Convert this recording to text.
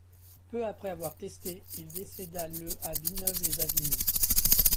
Peu après avoir testé, il décéda le à Villeneuve-les-Avignon.